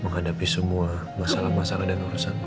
menghadapi semua masalah masalah dan urusan